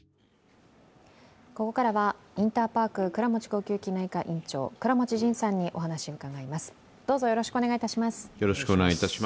ここからはインターパーク倉持呼吸器内科院長・倉持仁さんに話を伺います。